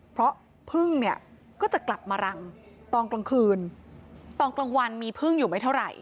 เพราะพึ่งเนี่ยก็จะกลับมารังตอนกลางคืนตอนกลางวันมีพึ่งอยู่ไม่เท่าไหร่